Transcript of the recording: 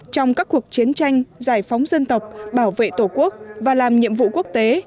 trong các cuộc chiến tranh giải phóng dân tộc bảo vệ tổ quốc và làm nhiệm vụ quốc tế